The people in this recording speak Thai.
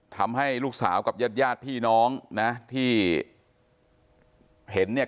ทำให้ลูกสาวกับญาติญาติพี่น้องนะที่เห็นเนี่ย